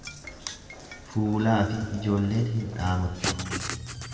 Fuulaafi ijoolleen hin dhaamottu.